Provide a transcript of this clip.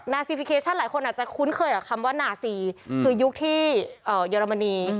ซีพลิเคชันหลายคนอาจจะคุ้นเคยกับคำว่านาซีคือยุคที่เยอรมนี